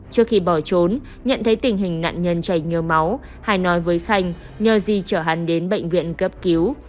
trước khi bỏ trốn nhận thấy tình hình nạn nhân chảy như máu hải nói với khánh nhờ gì trở hắn đến bệnh viện cấp cứu